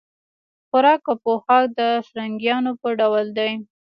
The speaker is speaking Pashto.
خوراک او پوښاک د فرنګیانو په ډول دی.